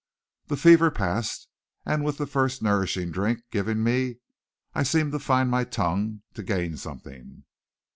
The fever passed, and with the first nourishing drink given me I seemed to find my tongue, to gain something.